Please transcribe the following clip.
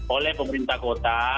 oleh pemerintah kota